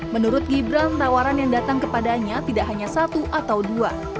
menurut gibran tawaran yang datang kepadanya tidak hanya satu atau dua